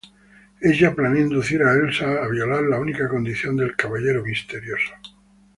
Ella planea inducir a Elsa a violar la única condición del caballero misterioso.